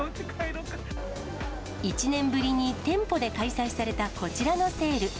１年ぶりに店舗で開催されたこちらのセール。